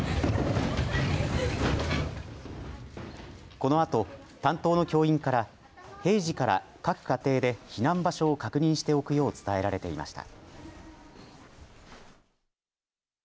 このあと、担当の教員から平時から各家庭で避難場所を確認しておくよう伝えられていました。